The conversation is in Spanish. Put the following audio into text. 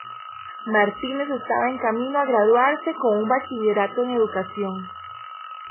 Martínez estaba en camino a graduarse con un bachillerato en Educación.